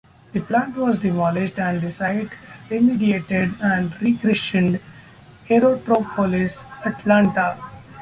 The plant was demolished and the site remediated, and re-christened Aerotropolis Atlanta.